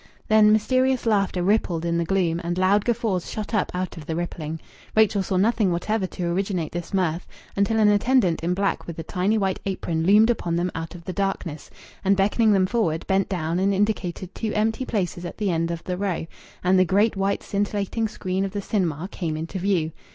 Then mysterious laughter rippled in the gloom, and loud guffaws shot up out of the rippling. Rachel saw nothing whatever to originate this mirth until an attendant in black with a tiny white apron loomed upon them out of the darkness, and, beckoning them forward, bent down, and indicated two empty places at the end of a row, and the great white scintillating screen of the cinema came into view.